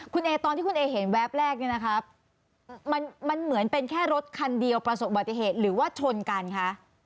คุณเอตอนที่คุณเอเห็นแวบแรกเนี่ยนะครับมันเหมือนเป็นแค่รถคันเดียวประสบบัติเหตุหรือว่าชนกันคะ